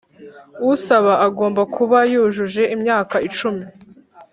Usaba agomba kuba yujuje imyaka icumi